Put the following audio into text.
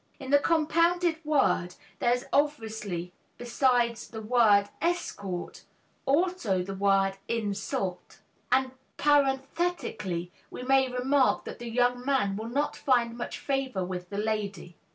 " In the compounded word there is obviously besides the word "escort," also the word "insult" (and parenthetically we may remark that the young man will not find much favor with the lady).